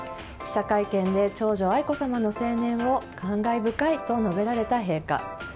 記者会見で長女・愛子さまの成年を感慨深いと述べられた陛下。